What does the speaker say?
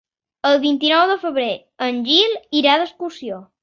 El vint-i-nou de febrer en Gil irà d'excursió.